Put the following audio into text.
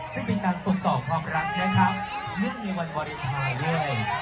เพื่อเป็นการตรวจสอบความรักนะครับนึกมีวันบริษัทด้วย